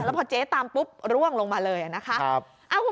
แล้วพอเจ๊ตามปุ๊บร่วงลงมาเลยนะคะ